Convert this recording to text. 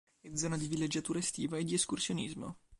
È zona di villeggiatura estiva e di escursionismo.